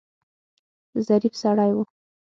ظریف سړی و.